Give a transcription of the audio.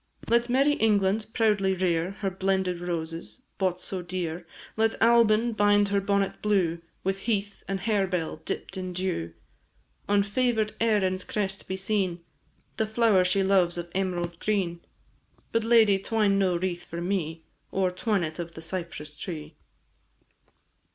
Let merry England proudly rear Her blended roses, bought so dear; Let Albin bind her bonnet blue With heath and harebell dipp'd in dew. On favour'd Erin's crest be seen The flower she loves of emerald green; But, lady, twine no wreath for me, Or twine it of the cypress tree!